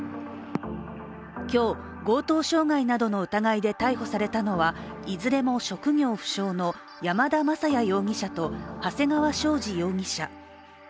今日、強盗傷害などの疑いで逮捕されたのはいずれも職業不詳の山田雅也容疑者と長谷川将司容疑者。